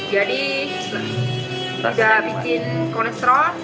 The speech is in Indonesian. jadi sudah bikin kolesterol